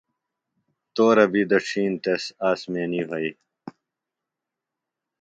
تورہ بیۡ دڇِھین تس آسمینی وھئی۔